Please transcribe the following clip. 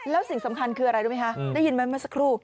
แล้วสิ่งสำคัญขึ้นอะไรด้วยมั้ยคะได้ยินไหมครับสักครู่